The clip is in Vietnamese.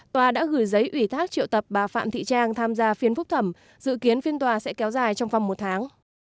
tòa đã gửi giấy ủy thác triệu tập bà phạm thị trang tham gia phiên phúc thẩm dự kiến phiên tòa sẽ kéo dài trong vòng một tháng